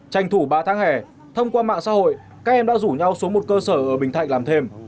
tranh thủ ba tháng hè thông qua mạng xã hội các em đã rủ nhau xuống một cơ sở ở bình thạnh làm thêm